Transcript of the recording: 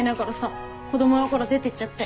子供のころ出てっちゃって。